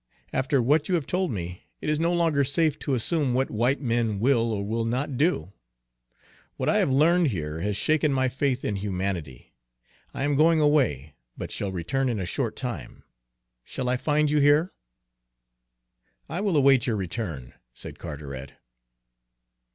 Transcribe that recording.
"After what you have told me, it is no longer safe to assume what white men will or will not do; what I have learned here has shaken my faith in humanity. I am going away, but shall return in a short time. Shall I find you here?" "I will await your return," said Carteret.